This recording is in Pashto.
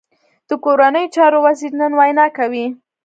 د کورنیو چارو وزیر نن وینا کوي